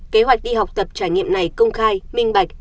kế hoạch đi học tập trải nghiệm này công khai minh bạch